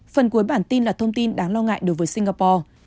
phần cuối bản tin là thông tin đáng lo ngại đối với singapore